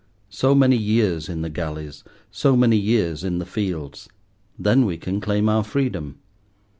So many years in the galleys, so many years in the fields; then we can claim our freedom.